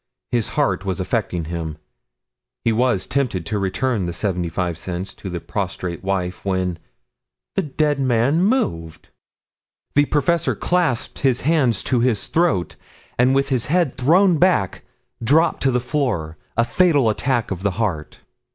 His heart was affecting him. He was tempted to return the seventy five cents to the prostrate wife when THE DEAD MAN MOVED! The professor clasped his hands to his throat, and with his head thrown back dropped to the floor. A fatal attack of the heart.